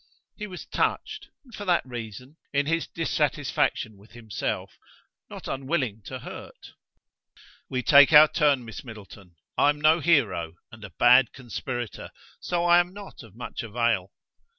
He was touched, and for that reason, in his dissatisfaction with himself, not unwilling to hurt. "We take our turn, Miss Middleton. I'm no hero, and a bad conspirator, so I am not of much avail."